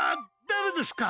誰ですか？